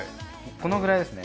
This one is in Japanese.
このくらいですね。